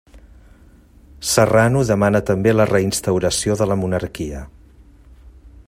Serrano demana també la reinstauració de la monarquia.